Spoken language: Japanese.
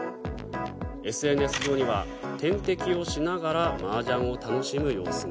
ＳＮＳ上には点滴をしながらマージャンを楽しむ様子が。